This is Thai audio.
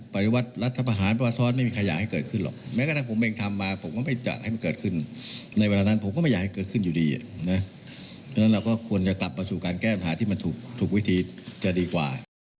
เพราะฉะนั้นเราก็ควรจะกลับมาสู่การแก้ปัญหาที่มันถูกวิธีจะดีกว่า